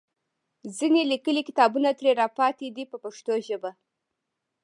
ځینې لیکلي کتابونه ترې راپاتې دي په پښتو ژبه.